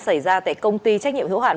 xảy ra tại công ty trách nhiệm hiệu hạn